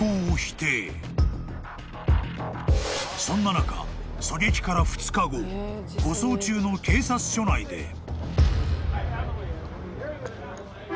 ［そんな中狙撃から２日後護送中の警察署内で］